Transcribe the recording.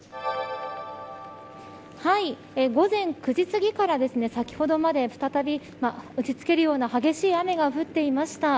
午前９時すぎから先ほどまで、再び打ち付けるような激しい雨が降っていました。